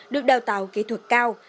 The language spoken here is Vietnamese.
được đào tạo kỹ thuật cao